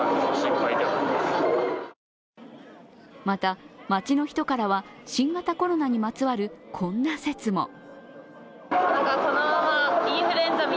また街の人からは新型コロナにまつわるこんな説も。